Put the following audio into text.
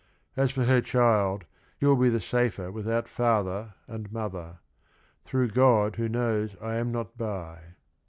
As for her child: he will be the safer without father and mother, "through God who knows I am not by."